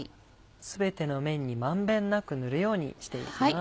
全ての面に満遍なく塗るようにしていきます。